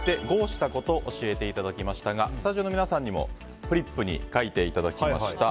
したことを教えていただきましたがスタジオの皆さんにもフリップに書いていただきました。